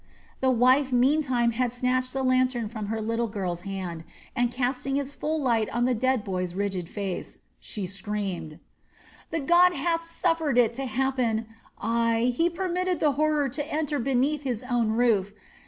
The wife meantime had snatched the lantern from her little girl's hand and casting its light full on the dead boy's rigid face, she screamed: "The god hath suffered it to happen. Ay, he permitted the horror to enter beneath his own roof.